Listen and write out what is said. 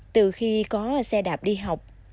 từ khi có xe đạp đi học